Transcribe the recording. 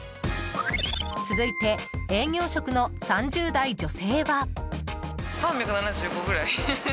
続いて、営業職の３０代女性は。